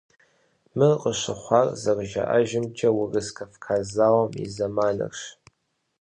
Мыр къыщыхъуар, зэрыжаӀэжымкӀэ, Урыс-Кавказ зауэм и зэманырщ.